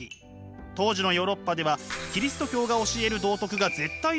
当時のヨーロッパではキリスト教が教える道徳が絶対でした。